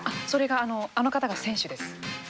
それがあのあの方が選手です。